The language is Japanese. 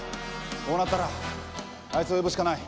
こうなったらあいつを呼ぶしかない。